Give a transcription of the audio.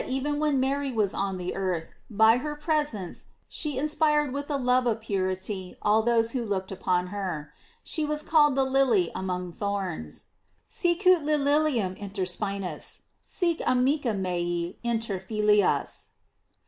731 even when Mary was on the earth, by her pres ence &he inspired with the love of purity all those who looked upon her.* She was called the lily among thorns :"Sicut lilium inter spinas sic arnica mea inter filias."